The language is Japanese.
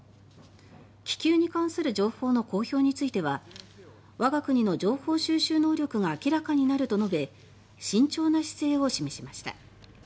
気球に関する情報の公表については我が国の情報収集能力が明らかになると述べ慎重な姿勢を示しました。